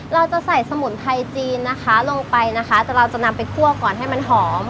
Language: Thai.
เราจะใส่สมุนไพรจีนนะคะลงไปนะคะแต่เราจะนำไปคั่วก่อนให้มันหอม